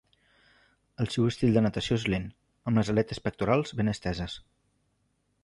El seu estil de natació és lent, amb les aletes pectorals ben esteses.